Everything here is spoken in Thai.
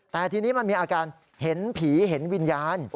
แต่ทีนี้มันมีอาการเห็นผีเห็นวิญญาณ